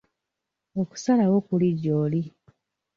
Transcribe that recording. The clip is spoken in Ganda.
Okusalawo kuli gy'oli.